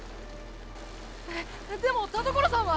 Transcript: えっでも田所さんは。